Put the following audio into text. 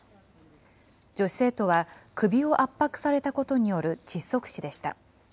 女子生徒は、首を圧迫されたことによる窒息死でした。